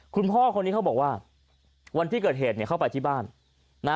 คุณพ่อคนนี้เขาบอกว่าวันที่เกิดเหตุเนี่ยเข้าไปที่บ้านนะ